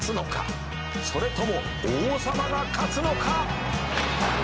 それとも王様が勝つのか」